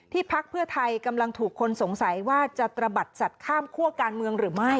พักเพื่อไทยกำลังถูกคนสงสัยว่าจะตระบัดสัตว์ข้ามคั่วการเมืองหรือไม่